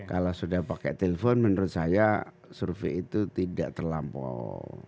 kalau sudah pakai telepon menurut saya survei itu tidak terlampau